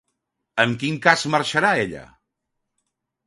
En quin cas marxarà ella?